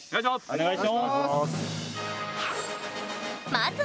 お願いします！